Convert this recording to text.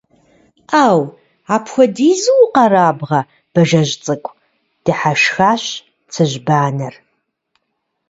– Ӏэу! Апхуэдизу укъэрабгъэ, Бажэжь цӀыкӀу, – дыхьэшхащ Цыжьбанэр.